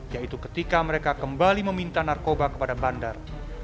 yaitu ketika mereka kembali meminta narkoba kepada bandar